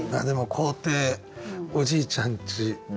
でも校庭おじいちゃんち。